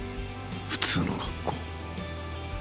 普通の学校。